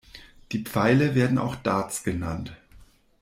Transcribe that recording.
Die Pfeile werden auch Darts genannt.